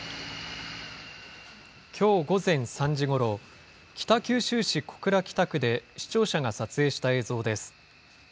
きょう午前３時ごろ、北九州市小倉北区で視聴者が撮影した映像です。